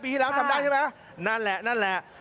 ที่แล้วทำได้ใช่ไหมนั่นแหละนั่นแหละ